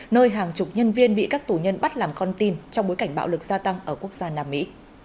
nơi hàng chục nhân viên bị các tù nhân bắt làm con tin trong bối cảnh bạo lực gia tăng ở quốc gia nam mỹ